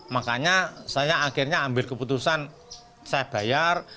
makanya saya akhirnya ambil keputusan saya bayar